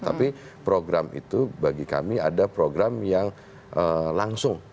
tapi program itu bagi kami ada program yang langsung